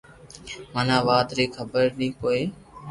مني آ وات ري خبر ني ھوئي